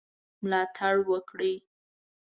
ملاتړ وکړي.